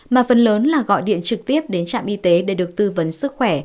mà phần lớn là gọi điện trực tiếp đến trạm y tế để được tư vấn sức khỏe